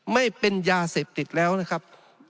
ไม่เป็นยาเสพติดแล้วนะครับ